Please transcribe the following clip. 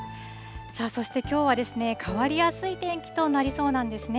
そしてきょうは変わりやすい天気となりそうなんですね。